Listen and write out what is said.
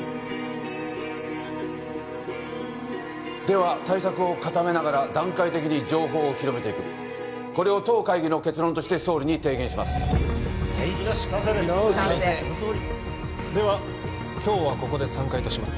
では対策を固めながら段階的に情報を広めていくこれを当会議の結論として総理に提言しますでは今日はここで散会とします